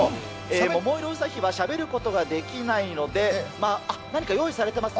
桃色ウサヒはしゃべることができないので、何か用意されてますね。